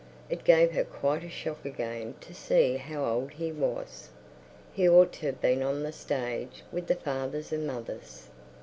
It gave her quite a shock again to see how old he was; he ought to have been on the stage with the fathers and mothers.